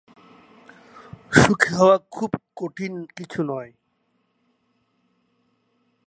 উপ-কুমেরু অঞ্চলটিতে আটলান্টিক, ভারত এবং প্রশান্ত মহাসাগরের দক্ষিণাঞ্চলের অনেক দ্বীপ অন্তর্ভুক্ত রয়েছে, বিশেষত যেগুলো কুমেরু বৃত্তের উত্তরে অবস্থিত।